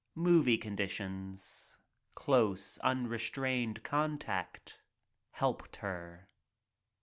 Movie conditions — close, un restained contact — helped her.